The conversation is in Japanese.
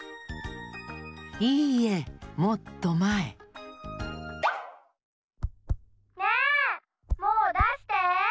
いいえもっとまえねえもうだして。